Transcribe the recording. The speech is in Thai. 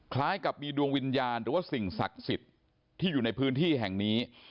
คล้ายกับมีดวงวิญญาณหรือว่าสิ่งศักดิ์สิทธิ์ที่อยู่ในพื้นที่แห่งนี้